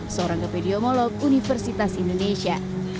seorang gepediomolog universitas indonesia